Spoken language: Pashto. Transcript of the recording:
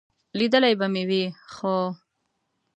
لیدلی به مې وي، خو ...